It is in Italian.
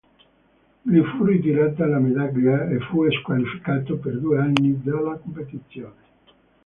Gli fu ritirata la medaglia e fu squalificato per due anni dalle competizioni.